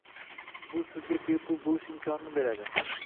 Bu sizga bepul bo'lish imkonini beradi.